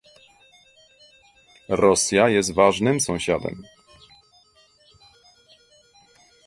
Rosja jest ważnym sąsiadem